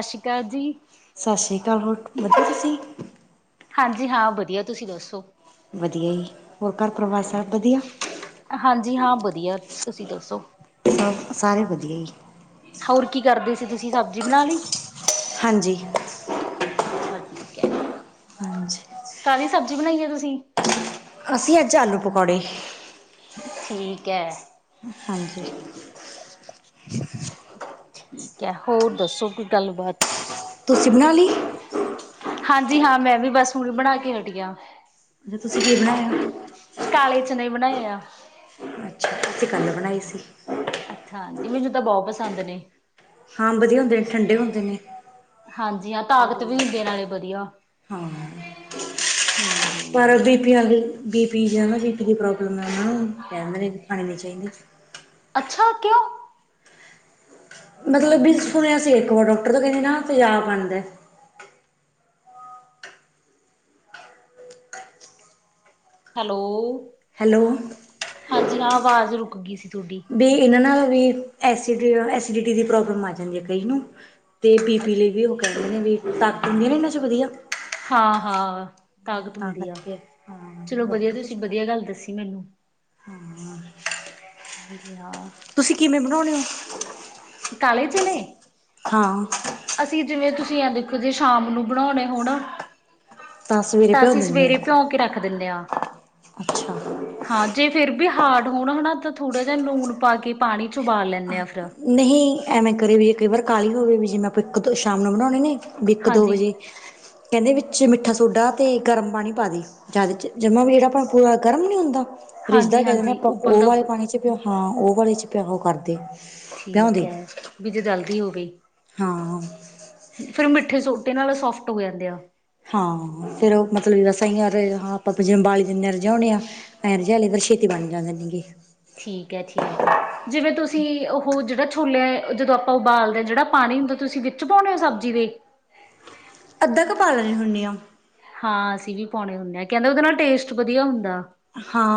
ਸਤਿ ਸ੍ਰੀ ਅਕਾਲ ਜੀ ਸਤਿ ਸ਼੍ਰੀ ਅਕਾਲ ਹੋਰ ਵਧੀਆ ਤੁਸੀਂ ਹਾਂਜੀ ਹਾਂ ਵਧੀਆ ਤੁਸੀਂ ਦੱਸੋ ਵਧੀਆ ਜੀ ਹੋਰ ਘਰ ਪਰਿਵਾਰ ਸਭ ਵਧੀਆ? ਹਾਂਜੀ ਹਾਂ ਵਧੀਆ ਤੁਸੀਂ ਦੱਸੋ ਸਭ ਸਾਰੇ ਵਧੀਆ ਜੀ ਹੋਰ ਕੀ ਕਰਦੇ ਸੀ ਤੁਸੀਂ ਸਬਜ਼ੀ ਬਣਾ ਲਈ ਹਾਂਜੀ। ਅੱਛਾ ਠੀਕ ਐ। ਹਾਂਜੀ, ਕਾਹਦੀ ਸਬਜ਼ੀ ਬਣਾਈ ਆ ਤੁਸੀਂ ਅਸੀਂ ਅੱਜ ਆਲੂ ਪਕੌੜੇ ਠੀਕ ਐ। ਹਾਂਜੀ। ਠੀਕ ਐ ਹੋਰ ਦੱਸੋ ਕੋਈ ਗੱਲਬਾਤ ਤੁਸੀਂ ਬਣਾ ਲਈ ਹਾਂਜੀ, ਹਾਂ ਮੈਂ ਵੀ ਬਸ ਹੁਣ ਬਣਾ ਕੇ ਹਟੀਆਂ ਤੁਸੀਂ ਕੀ ਬਣਾਇਆ? ਕਾਲੇ ਚਨੇ ਬਣਾਏ ਆ ਅੱਛਾ ਅਸੀਂ ਕੱਲ ਬਣਾਈ ਸੀ ਅੱਛਾ ਜੀ ਮੈਨੂੰ ਤਾਂ ਬਹੁਤ ਪਸੰਦ ਨੇ ਹਾਂ, ਵਧੀਆ ਹੁੰਦੇ ਨੇ ਠੰਡੇ ਹੁੰਦੇ ਨੇ ਹਾਂਜੀ ਹਾਂ, ਤੁਹਾਡੇ ਤਾਕਤ ਲਈ ਵੀ ਹੁੰਦੀ ਨਾਲੇ ਵਧੀਆ ਹਾਂ ਹਮ ਪਰ ਹਮ ਬੀਪੀਆਂ ਵਾਲ ਦੀ ਬੀਪੀ ਜਾਂ ਸੀ ਪੀ ਦੀ ਪ੍ਰੋਬਲਮ ਆ ਉਹਨਾ ਨੂੰ ਕਹਿ ਦਿੰਦੇ ਨੇ ਖਾਣੇ ਨਹੀਂ ਚਾਹੀਦੀ ਅੱਛਾ ਕਿਉਂ ਮਤਲਬ ਬੀ ਸੁਣਿਆ ਸੀ, ਇੱਕ ਵਾਰ ਡਾਕਟਰ ਤੋਂ ਕਹਿੰਦੇ ਨਾ ਤੇਜ਼ਾਬ ਬਣਦਾ। ਹੈਲੋ, ਹੈਲੋ ਹਾਂਜੀ ਹਾਂ ਆਵਾਜ਼ ਰੁਕ ਗੀ ਸੀ ਥੋਡੀ। ਵੀ ਇਹਨਾਂ ਨਾਲ ਵੀ ਐਸ ਡ ਐਸੀਡਿਟੀ ਦੀ ਪ੍ਰੋਬਲਮ ਆ ਜਾਂਦੀ ਐ ਕਈ ਨੂੰ। ਅਤੇ ਬੀਪੀ ਲਈ ਵੀ ਉਹ ਕਹਿੰਦੇ ਨੇ ਵੀ, ਤਾਕਤ ਹੁੰਦੇ ਨੇ ਇਹਨਾਂ 'ਚ ਵਧੀਆ। ਹਾਂ ਹਾਂ। ਤਾਕਤ ਤਾਂ ਹੁੰਦੀ ਆ, ਕਰਕੇ ਹਾਂ ਚਲੋਂ ਵਧੀਆ ਤੁਸੀਂ ਵਧੀਆ ਗੱਲ ਦੱਸੀ ਮੈਨੂੰ। ਹਾ ਆ। ਹਾਂਜੀ ਹਾਂ। ਤੁਸੀਂ ਕਿਵੇਂ ਬਣਾਉਣੇ ਉ? ਕਾਲੇ ਚਨੇ? ਹਾਂ। ਅਸੀਂ ਜਿਵੇਂ ਤੁਸੀਂ ਐ ਦੇਖੋਂ, ਜੇ ਸ਼ਾਮ ਨੂੰ ਬਣਾਉਣੇ ਹੋਣ ਸਵੇਰੇ ਤਾਂ ਭਿਓ ਅਸੀਂ ਦਿੰਦੇ ਸਵੇਰੇ ਹੋ ਭਿਉਂ ਕੇ ਰੱਖ ਦਿੰਨੇ ਆ। ਅੱਛਾ। ਹਾਂ ਜੇ ਫੇਰ ਵੀ ਹਾਰਡ ਹੋਣ ਹਾਨਾ, ਤਾਂ ਥੋੜ੍ਹਾ ਜਿਹਾ ਨੂਨ ਪਾ ਕੇ ਪਾਣੀ ਚ ਉਬਾਲ ਲੈਂਨੇ ਆ ਫਿਰ। ਨਹੀਂ ਐਵੇਂ ਕਰੇ, ਵੀ ਜੇ ਕਈ ਵਾਰ ਕਾਹਲੀ ਹੋਵੇ ਵੀ ਜਿਵੇਂ ਆਪਾਂ ਇੱਕ ਦ ਸ਼ਾਮ ਨੂੰ ਬਣਾਉਣੇ ਨੇ। ਵੀ ਇੱਕ ਦੋ ਹਾਂਜੀ ਵਜੇ, ਕਹਿੰਦੇ ਵਿੱਚ ਮਿੱਠਾ ਸੋਡਾ ਤੇ ਗਰਮ ਪਾਣੀ ਪਾ ਦੀ। ਜਦ ਚ ਜੰਮਾ ਵੀ ਜਿਹੜਾ ਆਪ ਪੂਰਾ ਗਰਮ ਨੀ ਹੁੰਦਾ ਰਿੱਝਦਾ ਹਾਂਜੀ ਕਹਿ ਦਿੰਦੇ ਹਾਂਜੀ ਆਪਾਂ ਉਹ ਉਬਲਦਾ ਵਾਲੇ ਉਬਲ ਪਾਣੀ ਚ ਹਾਂ ਉਹ ਵਾਲੇ ਚ ਪਿਆਓ ਕਰਦੇ ਠੀਕ ਭਿਉਂਦੇ ਹੈ ਵੀ ਜੋੇ ਜਲਦੀ ਹੋਵੇ ਹਾਂ ਫਿਰ ਮਿੱਠੇ ਸੋਡੇ ਨਾਲ ਸੋਫਟ ਹੋ ਜਾਂਦੇ ਆ ਹਾਂ ਫੇਰ ਉਹ ਮਤਲਬ ਬਸ ਐ ਈ ਆਰ ਹਾਂ ਆਪਾਂ ਬਾਲੀ ਦੀਨੇ ਆ, ਰਜੋਣੇ ਆ। ਐ ਰਜਾ ਲਿਆ ਕਰੋ, ਛੇਤੀ ਬਣ ਜਾਂਦੇ ਨੇਗੇ। ਥੀਕ ਐ ਥੀਕ ਐ, ਜਿਵੇਂ ਤੁਸੀਂ ਉਹ ਜਿਹੜਾ ਛੋਲੇ, ਜਦੋਂ ਆਪਾਂ ਉਬਾਲਦੇ ਆ, ਜਿਹੜਾ ਪਾਣੀ ਹੁੰਦਾ ਤੁਸੀਂ ਕਿ ਚ ਪਾਉਣੇ ਹੋ ਸਬਜ਼ੀ ਦੇ? ਅੱਧਾ ਕਾ ਪਾ ਲੈਣੀ ਹੁੰਨੀ ਆ। ਹਾਂ, ਅਸੀਂ ਵੀ ਪਾਉਣੇ ਹੁੰਨੇ ਆ, ਕਹਿੰਦੇ ਉਹਦੇ ਨਾਲ ਟੇਸਟ ਵਧੀਆ ਹੁੰਦਾ। ਹਾਂ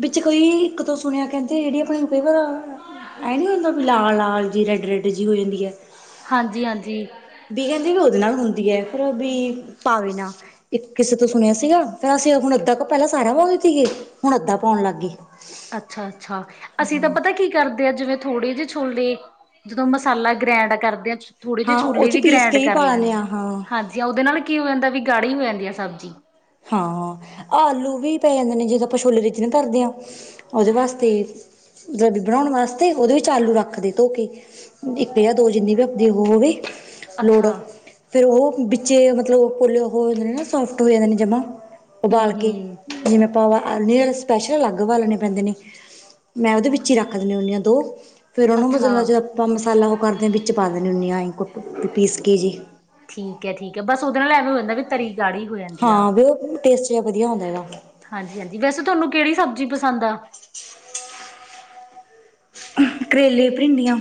ਵਿੱਚ ਕੋਈ ਇੱਕ ਤੋਂ ਸੁਣਿਆ, ਕਹਿੰਦੇ ਜਿਹੜੀ ਆਪਣੇ ਨੂੰ ਕਈ ਵਾਰ ਐ ਨੀ ਹੁੰਦਾ, ਵੀ ਲਾਲ ਲਾਲ ਜੀ ਰੈਡ ਰੈਡ ਜੀ ਹੋ ਜਾਂਦੀ ਐ। ਹਾਂਜੀ ਹਾਂਜੀ। ਵੀ ਕਹਿੰਦੇ ਵੀ ਉਹਦੇ ਨਾਲ ਹੁੰਦੀ ਐ ਫਿਰ ਵੀ ਪਾ ਵੈਨਾ। ਇੱਕ ਕਿਸੇ ਤੋਂ ਸੁਣਿਆ ਸੀਗਾ, ਫਰ ਅਸੀਂ ਹੁਣ ਅੱਧਾ ਕਾ ਪਹਿਲਾਂ ਸਾਰਾ ਪਾਉਂਦੇ ਤੀਗੇ, ਹੁਣ ਅੱਧਾ ਪਾਉਣ ਲੱਗ ਗੇ। ਅੱਛਾ ਅੱਛਾ, ਅਸੀਂ ਤਾਂ ਪਤਾ ਕੀ ਕਰਦੇ ਆ, ਜਿਵੇਂ ਥੋੜੇ ਜੇ ਛੋਲੇ ਜਦੋਂ ਮਸਾਲਾ ਗ੍ਰੈਂਡ ਕਰਦੇ ਆ ਥੋੜੇ ਜਿਹੇ ਹਾਂ ਉਹ ਛੋਲੇ ਚ ਵੀ ਪੀਸ ਗ੍ਰੈਂਡ ਕੇ ਕਰ ਪਾ ਲੈਂਦੇ ਲੈਂਨੇ, ਹਾਂ ਹਾਂ ਹਾਂਜੀ ਉਹਦੇ ਨਾਲ ਕੀ ਹੋ ਜਾਂਦਾ ਵੀ ਗਾੜੀ ਹੋ ਜਾਂਦੀ ਆ ਸਬਜ਼ੀ। ਹਾਂ, ਆ ਆਲੂ ਵੀ ਪੈ ਜਾਂਦੇ ਨੇ, ਜਦੋਂ ਆਪਾਂ ਛੋਲੇ ਰੀਜਨੇ ਧਰਦੇ ਆ ਉਹਦੇ ਵਾਸਤੇ ਜਬੀ ਬਣਾਉਣ ਵਾਸਤੇ, ਉਹਦੇ ਵਿੱਚ ਆਲੂ ਰੱਖਦੇ ਧੋ ਕੇ। ਇੱਕ ਜਾਂ ਦੋ ਜਿੰਨੀ ਵੀ ਆਪਦੀ ਉਹ ਹੋ ਵੇ। ਲੋੜ, ਅੱਛਾ ਫੇਰ ਉਹ ਵਿੱਚੇ ਮਤਲਬ ਪੋਲੇ ਉਹ ਹੋ ਜਾਦੇ ਨੇ ਨਾ ਸੋਫਟ ਹੋ ਜਾਂਦੇ ਨੇ ਜਮਾ। ਹੂੰ ਉਬਾਲ ਕੇ, ਹੂੰ ਜਿਵੇਂ ਆਪਾਂ ਉ ਆਲੇ ਸਪੈਸ਼ਲ ਅਲੱਗ ਉਬਾਲਣੇ ਪੈਂਦੇ ਨੇ। ਮੈਂ ਉਹਦੇ ਵਿੱਚ ਹੀ ਰੱਖ ਦੇਨੀ ਹੁੰਨੀ ਆ, ਦੋ। ਫਿਰ ਉਹਨੂੰ ਅੱਛਾ ਮਤਲਦਾ ਜੇ ਆਪਾਂ ਮਸਾਲਾ ਉਹ ਕਰਦੇ ਆ, ਵਿੱਚ ਪਾ ਦਿੰਦੇ ਹੁੰਦੇ ਆ ਕੁ ਪੀਸ ਕੇ ਜੇ। ਠੀਕ ਐ ਠੀਕ ਐ, ਬਸ ਉਹਦੇ ਨਾਲ ਐਵੇਂ ਹੋ ਜਾਂਦਾ ਵੀ ਤਰੀ ਗਾੜੀ ਹੋ ਜਾਂ ਹਾਂ, ਵੀ ਉਹ ਟੇਸਟ ਜਿਹਾ ਵਧੀਆ ਹੁੰਦਾ ਇਹਦਾ। ਹਾਂਜੀ- ਹਾਂਜੀ, ਵੈਸੇ ਤੁਹਾਨੂੰ ਕਿਹੜੀ ਸਬਜ਼ੀ ਪਸੰਦ ਆ? ਕਰੇਲੇ, ਭਿੰਡੀਆਂ।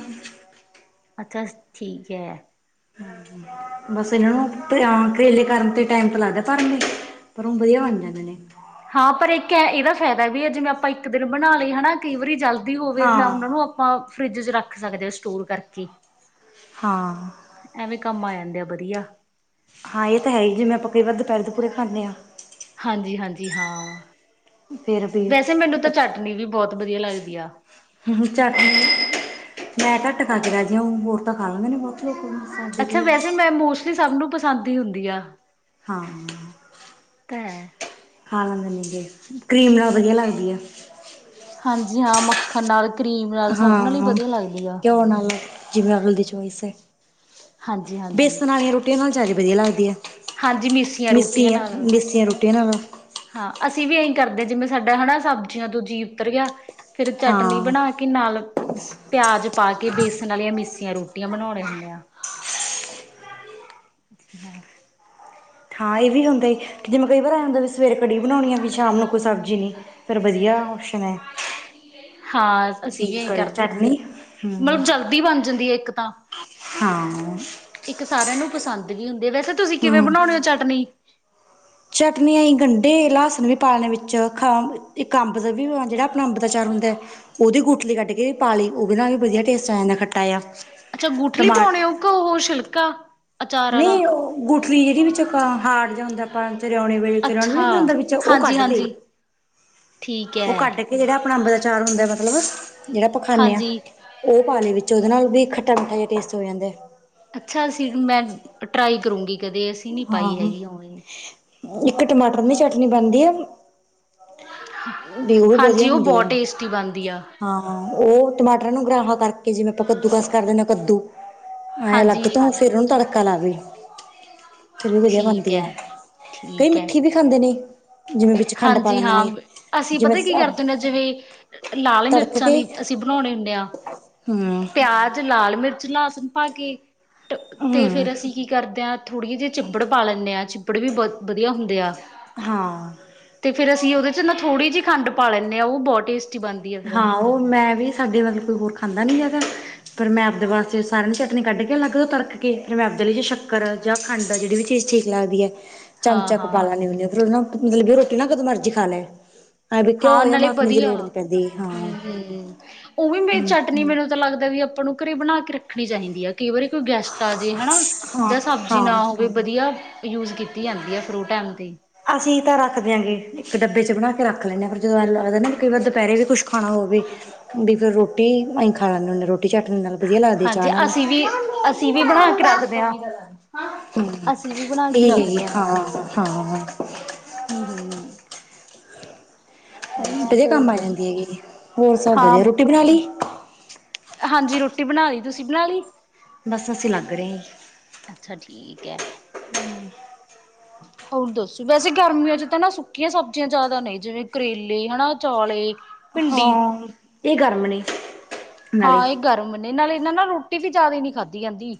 ਅੱਛਾ, ਠੀਕ ਐ। ਬਸ ਇਹਨਾਂ ਨੂੰ ਕਰੇਲੇ ਬਣਾਉਣ ਤੇ ਟਾਈਮ ਤੇ ਲੱਗਦਾ ਭਰਵੇਂ, ਪਰ ਉ ਵਧੀਆ ਬਣ ਜਾਂਦੇ ਨੇ। ਹਾਂ, ਪਰ ਇੱਕ ਇਹਦਾ ਫਾਇਦਾ ਵੀ ਐ, ਜਿਵੇਂ ਆਪਾਂ ਇੱਕ ਦਿਨ ਬਣਾ ਲਏ ਹਨਾ, ਕਈ ਵਾਰੀ ਜਲਦੀ ਹੋਵੇ ਤਾਂ ਹਾਂ ਉਹਨਾਂ ਨੂੰ ਆ ਪਾਂ ਫਰਿੱਜ, 'ਚ ਰੱਖ ਸਕਦੇ ਐ ਸਟੋਰ ਕਰਕੇ। ਹਾਂ। ਐਵੇਂ, ਕੰਮ ਆ ਜਾਂਦੇ, ਆ ਵਧੀਆ। ਹਾਂ, ਇਹ ਤਾਂ ਹੈ, ਜਿਵੇਂ ਆਪਾਂ ਕਈ ਵਾਰ ਦੁਪਹਿਰੇ ਦੁਪੂਰੇ ਖਾਂਣੇ ਹਾਂ ਹਾਂਜੀ, ਹਾਂਜੀ ਹਾਂ, ਫੇਰ ਵੀ ਵੈਸੇ ਮੈਨੂੰ ਤਾਂ ਅੱਛਾ ਚਟਨੀ ਵੀ, ਬਹੁਤ ਵਧੀਆ ਲੱਗਦੀ ਆ ਚਾਟ ਮੈਂ ਘੱਟ ਖਾ ਕੇ ਰਾ ਜੇ ਹੋਰ ਤਾਂ ਖਾ ਲਾਂਗੇ ਨੇ [inaudible] ਬਹੁਤ [unintelligible] [inaudible] ਤੇ ਸਾਨੂੰ, ਨੂੰ ਪਸੰਦ ਹੀ ਹੁੰਦੀ ਆ ਹਾਂ ਤਾਂ ਹੈ। ਖਾ ਲੈਂਦੇ ਨੇ ਗੇ, ਕਰੀਮ ਨਾਲ ਵਧੀਆ ਲੱਗਦੀ ਆ। ਹਾਂਜੀ ਹਾਂ, ਮੱਖਣ ਨਾਲ ਕਰੀਮ ਨਾਲ, ਸਭ ਨਾਲ ਹੀ ਵਧੀਆ ਲੱਗਦੀ ਆ। [inaudible] [inaudible] ਜਿਵੇ, ਅਗਲੇ ਦੀ ਚੋਇਸ ਹੈ, ਹਾਂਜੀ-ਹਾਂਜੀ, ਹਾਂਜੀ ਬੇਸਣ ਵਾਲੀਆਂ ਰੋਟੀਆਂ ਨਾਲ, ਸਸ਼ ਵਧੀਆ ਲੱਗਦੀ ਆ। ਹਾਂਜੀ ਮਿਸੀਆਂ ਰੋਟੀਆਂ ਨਾਲ ਮਿੱਸੀਆਂ-ਮਿਸੀਆਂ ਰੋਟੀਆਂ ਨਾਲ ਹਾਂ ਅਸੀਂ ਵੀ ਇਹੀ ਕਰਦੇ ਹਾਂ ਜਿਵੇਂ, ਸਾਡਾ ਹੈ ਸਬਜ਼ੀਆਂ ਦੂਜੀ ਉਤਰ ਗਿਆ, ਫੇਰ ਚਟਨੀ ਹਾਂ ਬਣਾ ਕੇ ਕਿ, ਨਾਲ ਪਿਆਜ ਪਾ ਕੇ, ਬੇਸਣ ਵਾਲੀਆਂ ਮਿੱਸੀਆਂ ਰੋਟੀਆਂ, ਬਣਾਉਣੇ ਹੁੰਨੇ ਆ ਹਾਂ ਹਾਂ ਇਹ ਵੀ ਹੁੰਦਾ ਹੈ, ਕਿ ਜਿਵੇੈਂ ਕਈ ਵਾਰ ਆਇ ਹੁੰਦਾ ਵੀ ਸਵੇਰੇ ਕੜੀ ਬਣਾਉਣੀ ਆ, ਵੀ ਸ਼ਾਮ ਨੂੰ ਕੋਈ ਸਬਜ਼ੀ ਨਹੀਂ ਫੇਰ, ਵਧੀਆ ਓਪਸ਼ਨ ਐ। ਹਾਂ, ਅਸੀਂ ਵੀ ਇਹੀ ਕਰਦੇ ਹਾਂ, ਹਮ ਮਤਲਬ ਜਲਦੀ ਬਣ ਜਾਂਦੀ ਆ, ਇੱਕ ਤਾਂ ਹਾਂ ਇੱਕ ਸਾਰਿਆਂ ਨੂੰ ਪਸੰਦ ਵੀ ਹੁੰਦੀ, ਵੈਸੇ ਤੁਸੀਂ ਕਿਵੇਂ ਬਣਾਉਣੇ ਹੋ ਚਟਨੀ? ਚਟਨੀਆਂ ਗੰਡੇ ਲਸਣ ਵੀ ਪਾ ਲੈਣੇ ਵਿੱਚ ਇੱਕ ਅੰਬ ਦਾ ਵੀ, ਜਿਹੜਾ ਆਪਣਾ ਅੰਬ ਦਾ, ਚਾਰ ਹੁੰਦਾ। ਉਹਦੀ ਗੁਟਲੀ ਕੱਢ ਕੇ ਪਾ ਲਈ, ਉਹਦੇ ਨਾਲ ਵੀ ਵਧੀਆ ਟੇਸਟ ਆ, ਜਾਂਦਾ ਖੱਟਾ ਆ ਅੱਛਾ, ਗੂਠਲੀ ਟਮਾ ਪਾਉਣੇ, ਉਹ ਘ ਉਹ ਛਿਲਕਾ ਅਚਾਰ ਵਾਲਾ ਨਹੀਂ, ਉਹ ਗੁਠਲੀ ਜਿਹੜੀ ਵਿੱਚ, ਹਾਰਡ ਜਿਹਾ ਹੁੰਦਾ ਅਮ ਚੁਰਿਆਉਣੇ ਵੇਲੇ ਚ ਅੱਛਾ ਵੇਲੇ ਦਾ ਵਿੱਚ ਉਹ ਹਾਂਜੀ ਕੱਢ ਦੇਈਏ ਹਾਂਜੀ ਠੀਕ ਉਹ ਹੈ ਕੱਢ ਕੇ, ਜਿਹੜਾ ਆਪਣਾ ਅੰਬ ਦਾ ਚਾਰ ਹੁੰਦਾ ਮਤਲਬ ਜਿਹੜਾ ਆਪਾ ਖਾਂਨੇ ਆ ਹਾਂਜੀ ਉਹ ਪਾਣੇ ਅ ਵਿੱਚ, ਉਹਦੇ ਨਾਲ ਵੀ ਖੱਟਾ -ਮਿੱਠਾ ਜਿਹਾ ਟੇਸਟ ਹੋ ਜਾਂਦਾ। ਅੱਛਾ, ਅਸੀਂ ਮੈਂ ਟਰਾਈ ਕਰੂੰਗੀ, ਕਦੇ ਅਸੀਂ ਨਹੀਂ ਪਾਈ ਹੈਗੀ, ਉਵੇਂ ਇਜ, ਇੱਕ ਟਮਾਟਰ, ਦੀ ਚਟਨੀ ਬਣਦੀ ਆ। ਡਿਊ ਵੀ, ਵਧੀਆ ਹਾਂਜੀ ਉਹ ਹੁੰਦੀ ਬਹੁਤ ਹੈ। ਟੇਸਟੀ ਬਣਦੀ ਆ ਹਾਂ ਉਹ ਟਮਾਟਰਾਂ ਨੂੰ ਗਰਾਫਾ, ਕਰਕੇ ਜਿਵੇਂ ਆਪਾਂ ਕੱਦੂ ਕਸ ਕਰ ਦਿੰਦੇ, ਹਾਂ ਕੱਦੂ ਆਂ ਹਾਂਜੀ ਲੱਗਦਾ ਫਿਰ ਤੋਂ ਉਹਨੂੰ ਤੜਕਾ ਲਾ ਦੇਈ ਦਾ ਫਿਰ ਵੀ ਵਧੀਆ ਠੀਕ ਬਣਦੀ ਆ, ਹੈ ਕਈ ਠੀਕ ਹੈ ਮਿੱਠੀ ਵੀ ਖਾਂਦੇ ਨੇ। ਜਿਵੇਂ ਵਿੱਚ ਖੰਡ ਪਾ ਹਾਂਜੀ, ਲੈਂਦੇ ਹਾਂ ਨੇ ਅਸੀਂ ਜਿਵੇਂ ਪਤਾ ਕੀ ਕਰਦੇ ਹੁੰਦੇ, ਜਿਵੇਂ ਲਾਲ ਤੜਕ ਮਿਰਚਾਂ ਕੇ ਦੀ ਅਸੀਂ, ਬਣਾਉਣੇ ਹੁੰਣੇ ਹਾਂ ਹਮ ਪਿਆਜ ਲਾਲ ਮਿਰਚ ਲਸਣ ਪਾ ਕੇ, ਤੇ ਹਮ ਫੇਰ ਅਸੀਂ ਕੀ ਕਰਦੇ ਹਾਂ, ਥੋੜ੍ਹੀ ਜਿਹੀਆਂ ਚਿੱਪੜ ਪਾ ਲੈਂਣੇ ਹਾਂ। ਚਿੱਬੜ ਵੀ ਬਹੁੱਤ ਵਧੀਆ ਹੁੰਦੇ ਆ ਹਾਂ ਤੇ ਫਿਰ ਅਸੀਂ ਉਦੇ ਚ, ਥੋੜ੍ਹੀ ਜਿਹੀ ਖੰਡ ਪਾ ਲੈਂਣੇ ਹਾਂ, ਉਹ ਬਹੁਤ ਟੇਸਟੀ ਬਣਦੀ ਆ ਫਿਰ ਹਾਂ ਉਹ ਮੈਂ ਵੀ ਸਾਡੇ ਮਤਲਬ ਕੋਈ ਹੋਰ ਖਾਂਦਾ ਨਈ ਹੈ ਗਾ ਫੇਰ ਮੈਂ ਆਪਦੇ ਵਾਸਤੇ, ਸਾਰਿਆਂ ਨੇ ਚਟਨੀ ਕੱਢ ਕੇ ਅਲੱਗ ਤੋਂ ਤੜਕ ਕੇ, ਫਿਰ ਮੈਂ ਆਪਦੇ ਲਈ ਸ਼ੱਕਰ ਜਾਂ ਖੰਡ, ਜਿਹੜੀ ਵੀ ਚੀਜ਼ ਠੀਕ ਲੱਗਦੀ ਅ ਹਾਂ ਚਮਚਾ ਕੁ ਪਾ ਹਾਂ ਲੈਂਨੀ ਹੁੰਦੀ ਆ ਫਿਰ ਉਹ ਨਾ ਮਤਲਬ ਕਿ ਰੋਟੀ ਨਾ, ਕਦੋਂ ਮਰਜ਼ੀ ਖਾ ਲੈ ਐਵੇ ਕਿਉ ਹੋਇ ਉ ਮਾਸੀ ਜੀ ਦੀ ਲੋੜੀ ਹ ਹਮ ਉਹ ਵੀ ਮੇ ਚ ਹੂੰ। [inaudible] ਨ ਮੈਨੂੰ ਤਾਂ ਲੱਗਦਾ ਵੀ, ਆਪਾਂ ਨੂੰ ਘਰੇ ਬਣਾ ਕੇ, ਰੱਖਣੀ ਚਾਹੀਦੀ ਹੈ। ਕਈ ਵਾਰੀ, ਕੋਈ ਗੈਸਟ ਆ ਜੇ ਹਨਾ, ਹਾਂ ਜਾਂ ਸਬਜ਼ੀ ਹਾਂ। ਨਾ ਹੋਵੇ ਵਧੀਆ ਯੂਜ ਕੀਤੀ ਜਾਂਦੀ ਹੈ, ਫਰੂਟ ਟਾਈਮ 'ਤੇ ਅਸੀਂ ਤਾਂ ਰੱਖ ਦਿਆਂਗੇ, ਇੱਕ ਡੱਬੇ ਚ ਬਣਾ ਕੇ ਰੱਖ ਲੈਂਦੇ ਹਾਂ, ਪਰਿਰ ਜਦੋਂ ਐ ਲੱਗਦਾ ਨਾ ਕਈ ਵਾਰ ਦੁਪਹਿਰੇ ਵੀ ਕੁਛ ਖਾਣਾ ਉਹ ਵੀ ਫਿਰ ਰੋਟੀ ਅਸੀਂ ਖਾ ਲੈਂਦੇ ਹੁੰਣ ਦੇ ਰੋਟੀ ਚਟਨੀ ਨਾਲ ਵਧੀਆ ਲੱਗਦੀ ਹਾਂਜੀ ਚਾਹ ਨਾਲ। ਅਸੀਂ ਵੀ ਮੰਮਾ ਮੈਂ ਅਸੀਂ ਵੀ ਬਣਾ ਕੇ ਖਾਊਂਗਾ। ਰੱਖਦੇ ਹਾਂ। ਹੂੰ ਅਸੀਂ ਵੀ ਬਣਾ ਕੇ ਇਹ ਰੱਖਦੇ ਹਾਂ ਹਾਂ-ਹਾਂ। ਹੂੰ, ਹੂੰ। ਹਾਂਜੀ ਵਧੀਆ ਹੋਰ ਕੰਮ ਆ ਜਾਂਦੀ ਦੱਸੋ ਹੈਗੀ, ਹੋਰ ਸਭ ਹਾਂ ਵਧੀਆ ਰੋਟੀ ਬਣਾ ਲਈ। ਹਾਂਜੀ ਰੋਟੀ ਬਣਾ ਲਈ, ਤੁਸੀਂ ਬਣਾ ਲਈ? ਬਸ ਅਸੀਂ ਲੱਗ ਰਹੇ ਆ। ਅੱਛਾ ਠੀਕ ਹੈ, ਹੂੰ, ਹੁਣ ਦੱਸੋ, ਵੈਸੇ ਗਰਮੀਆਂ ਚ ਤਾਂ ਨਾ ਸੁੱਕੀਆਂ ਸਬਜ਼ੀਆਂ ਜ਼ਿਆਦਾ ਨੇ ਜਿਵੇਂ ਕਰੇਲੇ ਹਨਾ ਚੌਲੇ। ਭਿੰਡੀ ਹਾਂ ਇਹ ਗਰਮ ਨੇ ਨਾਲੇ, ਹਾਂ ਇਹ ਗਰਮ ਨੇ ਨਾਲ ਇਹਨਾਂ ਨਾਲ ਰੋਟੀ ਵੀ ਜ਼ਿਆਦਾ ਹੀ ਨੀ ਖਾਧੀ ਜਾਂਦੀ।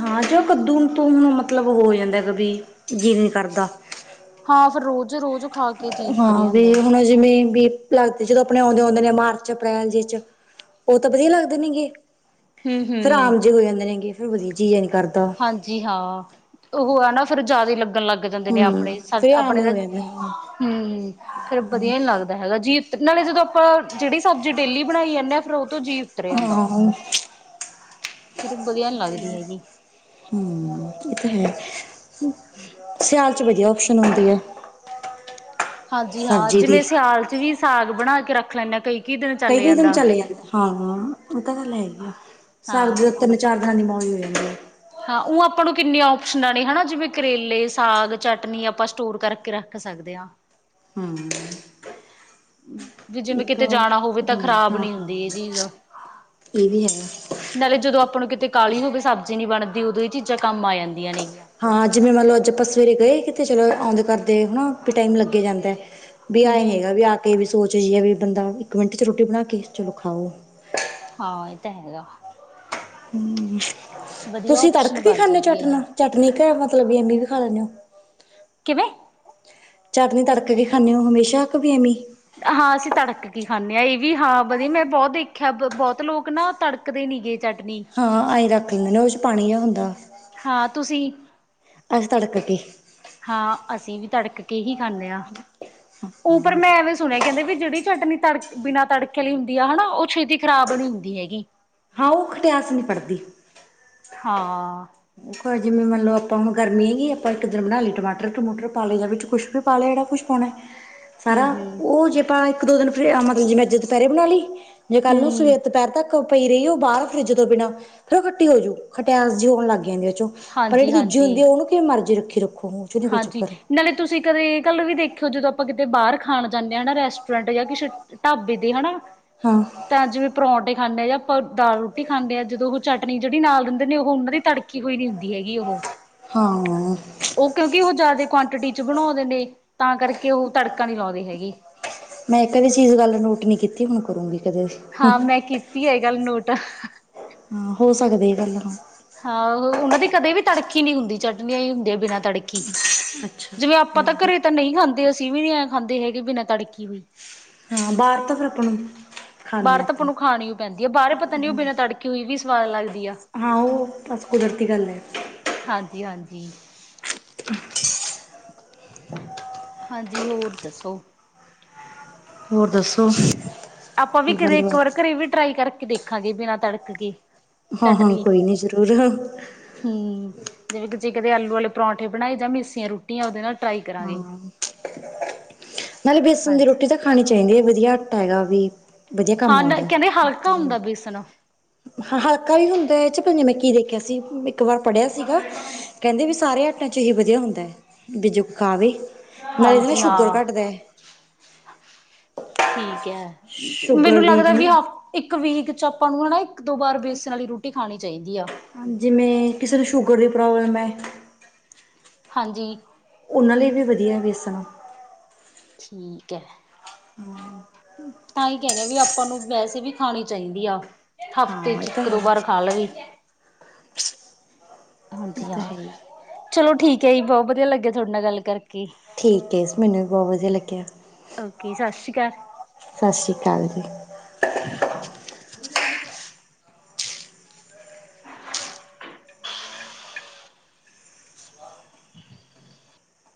ਹਾਂ ਜੋ ਕੱਦੂ ਤੋਂ ਹੁਣ ਮਤਲਬ ਹੋ ਜਾਂਦਾ ਕਦੀ ਜੀ ਨੀ ਕਰਦਾ। ਹਾਂ ਫਿਰ ਰੋਜ਼ ਰੋਜ਼, ਖਾ ਕੇ ਜੀ, ਹਾਂ ਉਤਰਿਆ ਵੀ ਜਾਂਦਾ। ਹੁਣ ਜਿਵੇਂ ਵੀ ਲੱਗਦੇ ਜਦੋਂ ਆਪਣੇ ਆਉਂਦੇ, ਆਉਂਦੇ ਨੇ ਮਾਰਚ ਅਪ੍ਰੈਲ ਜਿਸ ਵਿੱਚ ਉਹ ਤਾਂ ਵਧੀਆ ਲੱਗਦੇ, ਨੇਗੇ ਫੇਰ ਹੂੰ-ਹੂੰ। ਆਮ ਜਿਹੇ ਹੋ ਜਾਂਦੇ ਨੇਗੇ ਫੇਰ ਵਧੀਆ ਜੀ ਨੀ ਕਰਦਾ। ਹਾਂਜੀ, ਹਾਂ ਉਹ ਹੈ, ਨਾ ਫਿਰ ਜਿਆਦਾ ਲੱਗਣ ਲੱਗ। ਜਾਂਦੇ ਨੇ ਹਮ ਆਪਣੇ ਫਿਰ ਆਮ ਆਪਣੇ ਤਾਂ ਹੋ ਜਾਂਦਾ ਹਾਂ ਹੂੰ, ਹੂੰ ਫੇਰ ਵਧੀਆ ਨੀ ਲੱਗਦਾ ਹੈਗਾ ਜੀ। ਤੇ ਨਾਲੇ ਜਦੋਂ ਆਪਾਂ ਜਿਹੜੀ ਸਬਜ਼ੀ ਡੇਲੀ ਬਣਾਈ ਜਾਂਦੇ ਹਾਂ, ਫਿਰ ਉਹ ਤੋਂ ਜੀਅ ਉਤਰਿਆ ਜਾਂਦਾ। [unintelligible] ਸਿਰਫ ਵਧੀਆ ਲੱਗਦੀ ਹੈਗੀ। ਹੂੰ ਇਹ ਤਾਂ ਹੈ। ਸਿਆਲ 'ਚ ਵਧੀਆ ਔਪਸ਼ਨ ਹੁੰਦੀ ਹੈ। ਹਾਂਜੀ ਹਾਂ ਸਬਜ਼ੀ ਦੀ ਜਿਵੇਂ, ਸਿਆਲ ਚ ਵੀ ਸਾਗ ਬਣਾ ਕੇ ਰੱਖ ਲੈਂਦੇ ਐ ਕਈ ਕਈ ਕਈ ਦਿਨ ਚਲੇ ਜਾਂਦੇ ਹਾਂ, ਉਹ ਤਾਂ ਗੱਲ ਹੈਗੀ ਆ ਸਾ। ਹਾਂ ਚਾਰ ਦਿਨਾਂ ਦੀ ਮੌਜ ਹੋ ਜਾਂਦੀ ਹੈ। ਹਾਂ ਉਹ ਆਪਾਂ ਨੂੰ ਕਿੰਨੀਆਂ ਔਪਸ਼ਨਾਂ ਨੇ ਹਨਾ ਜਿਵੇਂ ਕਰੇਲੇ ਸਾਗ ਚਟਨੀ ਆਪਾਂ ਸਟੋਰ ਕਰਕੇ ਰੱਖ। ਸਕਦੇ ਹਾਂ। ਹੂੰ, ਵੀ ਜਿਵੇਂ ਇੱਕ ਕਿਤੇ ਜਾਣਾ ਹੋਵੇ ਤਾਂ ਹੂੰ ਖ਼ਰਾਬ ਨਹੀਂ ਹਾਂ-ਹਾਂ, ਹੁੰਦੀ ਇਹ ਚੀਜ਼ ਇਹ ਵੀ ਹੈਗਾ। ਨਾਲੇ ਜਦੋਂ ਆਪਾਂ ਨੂੰ ਕਿਤੇ ਕਾਹਲੀ ਹੋਵੇ, ਸਬਜ਼ੀ ਨਹੀਂ ਬਣਦੀ ਉਦੋਂ ਹੀ ਚੀਜ਼ਾਂ ਕੰਮ ਆ ਜਾਂਦੀਆਂ ਨੇਗੀਆਂ। ਹਾਂ ਜਿਵੇਂ ਮੰਨ ਲਓ, ਅੱਜ ਆਪਾਂ ਸਵੇਰੇ ਗਏ ਕਿਤੇ ਚਲੋ ਆਦੇ ਕਰਦੇ ਹਨਾ। ਟਾਈਮ ਲੱਗ ਜਾਂਦਾ ਹੈ, ਵੀ ਆਹ ਹਮ ਏ ਨਹੀਂ ਹਮ ਹੈਗਾ ਵੀ ਆਹ ਕੇ ਵੀ ਸੋਚ ਜਈਏ, ਵੀ ਬੰਦਾ ਇੱਕ ਮਿੰਟ ਚ ਰੋਟੀ ਬਣਾ ਕੇ ਚਲੋ ਖਾਓ। ਹਾਂ ਇਹ ਤਾਂ ਹੈਗਾ, ਹੂੰ, ਵਧੀਆ ਤੁਸੀਂ ਤੜਕ ਓਪਸ਼ਨ ਕੀ ਬਣ ਖਾਂਦੇ ਹੋ ਜਾਂਦੀ ਹੈ ਚਟਨਾ ਇਹ ਚਟਨੀ ਕ ਮਤਲਬ ਵੀ ਐਮੀ ਵੀ ਖਾ ਲੈਂਦੇ ਹੋ। ਕਿਵੇਂ, ਚਟਨੀ ਤੜਕ ਕੇ ਖਾਂਦੇ ਹੋ ਹਮੇਸ਼ਾ ਅੱਕ ਵੀ ਐਮੀਂ, ਹਾਂ ਅਸੀਂ ਤੜਕ ਕੀ ਖਾਂਦੇ ਹਾਂ, ਇਹ ਵੀ ਹਾਂ ਵਧੀਆ ਮੈਂ ਬਹੁਤ ਦੇਖਿਆ ਬਹੁਤ ਲੋਕ ਨਾ ਤੜਕ ਤੜਕਦੇ ਨਹੀਂ ਗਏ ਚਟਨੀ, ਹਾਂ ਆਸੀਂ ਰੱਖ ਲੈਂਦੇ ਨੇ ਉਹਦੇ 'ਚ ਪਾਣੀ ਆ ਹੁੰਦਾ। ਹਾਂ ਤੁਸੀਂ, ਅਸੀਂ ਤੜਕ ਕੇ ਹਾਂ ਅਸੀਂ ਵੀ ਤੜਕ ਕੇ ਹੀ ਖਾ ਲਿਆ ਉਪਰ ਮੈਂ ਐਵੇਂ, ਸੁਣਿਆ ਕਹਿੰਦੇ ਵੀ ਜਿਹੜੀ ਚਟਨੀ ਤੜਕ ਬਿਨਾਂ ਤੜਕੇ ਲਈ ਹੁੰਦੀ ਆ ਹਨਾ ਉਹ ਛੇਤੀ ਖਰਾਬ ਬਣੀ ਹੁੰਦੀ ਹੈਗੀ। ਹਾਂ ਉਹ ਖਟਿਆਸ ਨਹੀਂ ਪੜ੍ਹਦੀ, ਹਾਂ, ਜਿਵੇਂ ਮੰਨਲਬ ਆਪਾਂ ਹੁਣ ਗਰਮੀ ਹੈਗੀ, ਆਪਾਂ ਇੱਕ ਦਿਨ ਬਣਾ ਲਈਏ ਟਮਾਟਰ ਟਮੂਟਰ ਪੇ ਜਾਂ ਵਿੱਚ ਕੁੱਛ ਵੀ, ਪਾਲਿਆ ਜਿਹੜਾ ਕੁਛ ਪਾਣਾ ਹੈ। ਹੂੰ ਸਾਰਾ, ਹੂੰ। ਉਹ ਜੇ ਆਪਾਂ ਇੱਕ ਦੋ ਦਿਨ ਫੇਰ, ਮਤਲਬ ਜਿ ਮੈਂ ਅਜ ਦੁਪਹਿਰੇ ਬਣਾ ਲਈ। ਜੇ ਕੱਲ੍ਹ ਨੂੰ ਹੂੰ ਸਵੇਰ ਦੁਪਹਿਰ ਤੱਕ ਪਈ ਰਹੀ ਉਹ ਬਾਹਰ, ਫਰਿੱਜ ਤੋਂ ਬਿਨਾ, ਫੇਰ ਉਹ ਖੱਟੀ ਹੋ ਜਾਊ, ਖਟਿਆਸ ਜ ਹੋਣ ਲੱਗ ਜਾਂਦੀ ਹੈ ਚੋਂ, ਪਰ ਹਾਂਜੀ ਜਿਹੜੀ ਦੂਜੀ ਹੁੰਦੀ ਹਾਂਜੀ। ਆ, ਉਹਨੂੰ ਮਰਜ਼ੀ ਰੱਖੀ ਰੱਖੋ ਚ ਨੀ ਕੋਈ ਹਾਂਜੀ ਚੱਕਰ ਨਾਲੇ ਤੁਸੀਂ ਕਦੇ ਕੱਲ੍ਹ ਏ ਵੀ ਦੇਖਿਓ, ਜਦੋਂ ਆਪਾਂ ਕਿਤੇ ਬਾਹਰ ਖਾਣ ਜਾਂਦੇ ਹਾਂ ਨਾ, ਰੈਸਟੋਰੈਂਟ ਜਾਂ ਕਿਛ ਢਾਬੇ ਤੇ, ਦੀ ਹੈਨਾ ਹਾਂ ਤਾਂ ਜਿਵੇਂ ਪਰੌਂਠੇ ਖਾਂਦੇ ਆ, ਜਾਂ ਦਾਲ ਰੋਟੀ ਖਾਂਦੇ ਆ, ਜਦੋਂ ਉਹ ਚਟਨੀ ਜਿਹੜੀ ਨਾਲ ਰਹਿੰਦੇ ਨੇ, ਉਹਨਾਂ ਦੀ ਤੜਕੇ ਕਿਹੋ ਹੋਈ ਨੀ ਹੁੰਦੀ ਹੈਗੀ, ਉਹ ਹਾਂ ਉਹ ਕਿਉਂਕਿ ਉਹ ਜ਼ਿਆਦਾ ਕੁਆਂਟਿਟੀ ਚ ਬਣਾਉਦੇ ਨੇ, ਤਾਂ ਕਰਕੇ ਉਹ, ਤੜਕਾ ਨਹੀ ਲਾਉਂਦੇ ਹੈਗੇ ਮੈਂ ਕਦੇ ਵੀ ਚੀਜ਼ ਗੱਲ ਨੋਟ ਨਹੀ ਕੀਤੀ, ਹੁਣ ਕਰੂੰਗੀ ਕਦੇ ਹਾਂ, ਮੈਂ ਕੀਤੀ ਐ, ਇਹ ਗੱਲ ਨੋਟ ਹਾਂ, ਹੋ ਸਕਦੀ, ਏ ਗੱਲ ਹੁਣ ਹਾਂ ਉਹਨਾਂ ਦੀ ਕਦੇ ਵੀ ਤੜਕੀ ਨਹੀ ਹੁੰਦੀ, ਚਟਨੀਆਂ ਹੀ ਹੁੰਦੀਆਂ ਬਿਨਾਂ ਤੜਕੀ ਅੱਛਾ ਜਿਵੇਂ ਆਪਾਂ ਮੈਂ ਤਾਂ ਵੀ ਘਰੇ ਤਾਂ ਨਹੀਂ ਖਾਂਦੇ, ਅਸੀਂ ਵੀ ਨਹੀ ਐਂ ਖਾਂਦੇ ਹੈਗੇ, ਬਿਨਾਂ ਤੜਕੀ ਹੋਈ ਹਾਂ, ਬਾਹਰ ਤਾਂ ਫਿਰ ਆਪਾਂ ਨੂੰ ਖਾਂਦੇ ਬਾਹਰ ਹਾਂ ਤਾਂ ਆਪਾਂ ਨੂੰ ਖਾਣੀ ਪੈਂਦੀ ਆ, ਬਾਹਰ ਪਤਾ ਨੀ ਉਹ ਬਿਨਾ ਤੜਕੇੀ ਹੋਈ ਵੀ ਸਵਾਦ ਲੱਗਦੀ ਆ। ਹਾਂ, ਔ ਬਸ ਕੁਦਰਤੀ ਗੱਲ। ਹਾਂਜੀ, ਹਾਂਜੀ। ਹਾਂਜੀ ਹੋਰ ਦੱਸੋ ਹੋਰ ਦੱਸੋ ਆਪਾਂ ਵੀ ਕੋਈ ਕਦੇ ਇੱਕ ਵਾਰ ਗੱਲਬਾਤ ਘਰੇ ਵੀ ਟਰਾਈ ਕਰਕੇ ਦੇਖਾਂਗੇ, ਬਿਨਾਂ ਤੜਕ ਕੇ ਹਾਂ-ਹਾਂ, ਕੋਈ ਨੀ ਜ਼ਰੂਰ ਹੂ, ਜਿਵੇਂ ਤੁਸੀ ਕਿਤੇ ਆਲੂ ਵਾਲੇ ਪਰੌਂਠੇ ਬਣਾਏ ਜਾਂ ਮਿਸਿਆਂ ਰੋਟਿਆਂ, ਉਹਦੇ ਨਾਲ ਟਰਾਈ ਕਰਾਂਗੇ ਨਾਲੇ ਬੇਸਣ ਦੀ ਹਾਂਜੀ ਰੋਟੀ ਤਾਂ ਖਾਣੀ ਚਾਹੀਦੀ ਹੈ, ਵਧੀਆ ਆਟਾ ਹੈਗਾ ਏ ਵੀ ਵਧੀਆ ਕੰਮ ਹਾਂ ਆਉਂਦਾ ਕਹਿੰਦੇ ਹਲਕਾ ਹਾ ਹੁੰਦਾ ਬੇਸਣ ਹਾਂ, ਹਲਕਾ ਵੀ ਹੁੰਦਾ ਏਚ ਵੀ, ਮੈਂ ਕੀ ਦੇਖਿਆ ਸੀ, ਇੱਕ ਵਾਰ ਪੜਿਆ ਸੀਗਾ ਕਹਿੰਦੇ ਵੀ ਸਾਰੇ ਆਟਾਂ ਚ ਹੀਹੀ ਵਧੀਆ ਹੁੰਦਾ ਹੈ, ਬੀ ਜੋ ਖਾਵੇ, ਨਾਲੇ ਇਹਦੇ ਨਾਲ ਹਾਂਜੀ ਸ਼ੂਗਰ ਹਾਂ ਘੱਟਦਾ ਠੀਕ ਹੈ, ਸ਼ੂਗਰ ਮੈਨੂੰ ਦੀ ਲੱਗਦਾ ਵੀ ਹ ਜਿਵੇਂ ਇੱਕ ਵੀਕ ਚ ਆਪਾਂ ਨੂੰ ਹੈਨਾ, ਇੱਕ ਦੋ ਵਾਰ ਵੇਸਣ ਵਾਲੀ ਰੋਟੀ ਖਾਣੀ ਚਾਹੀਦੀ ਆ ਹਾਂ, ਜਿਵੇਂ ਕਿਸੇ ਨੂੰ ਸ਼ੂਗਰ ਦੀ ਪ੍ਰੋਬਲਮ ਹੈ ਹਾਂਜੀ ਉਹਨਾਂ ਲਈ ਵੀ ਵਧੀਆ ਵੇਸਣ ਠੀਕ ਹੈ ਹਮ [unintelligible] ਤਾਂ ਹੀ ਕਹਿਰੀ ਆ, ਵੀ ਆਪਾਂ ਨੂੰ ਵੈਸੇ ਵੀ ਖਾਣੀ ਚਾਹੀਦੀ ਆ ਹਫ਼ਤੇ ਹਾਂ ਚ ਇਹ ਤਾਂ ਇੱਕ ਹੈ, ਦੋ ਵਾਰ ਖਾ ਲਈ ਇਹ ਹਾਂਜੀ ਹਾਂ, ਤਾਂ ਹੈ ਹੀ। ਚਲੋ ਠੀਕ ਹੈ ਜੀ, ਬਹੁਤ ਵਧੀਆ ਲੱਗੇਆ ਤੁਹਾਡੇ ਨਾਲ ਗੱਲ ਕਰਕੇ ਠੀਕ ਹੈ, ਮੈਨੂੰ ਵੀ ਬਹੁਤ ਵਧੀਆ ਲੱਗਿਆ ਓਕੇ ਸਤਿ ਸ਼੍ਰੀ ਅਕਾਲ ਸਤਿ ਸ੍ਰੀ ਅਕਾਲ ਜੀ [inaudible]